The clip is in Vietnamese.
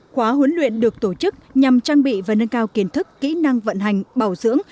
khóa huấn luyện được tổ chức nhằm trang bị và nâng cao kiến thức kỹ năng vận hành bảo dưỡng